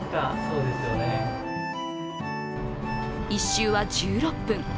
１周は１６分。